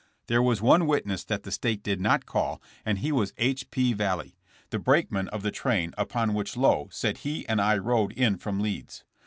There was one witness that the state did not call and he was H. P. Vallee, the brakeman of the train upon which Lowe said he and I rode in from Leeds.